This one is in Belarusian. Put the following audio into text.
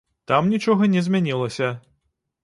Там нічога не змянілася.